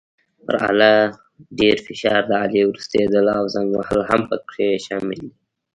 پر آله ډېر فشار، د آلې ورستېدل او زنګ وهل هم پکې شامل دي.